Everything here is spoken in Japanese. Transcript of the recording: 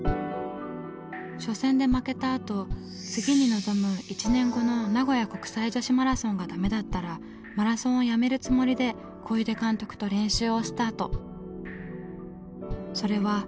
初戦で負けたあと次に臨む１年後の名古屋国際女子マラソンがダメだったらマラソンをやめるつもりで小出監督と練習をスタート。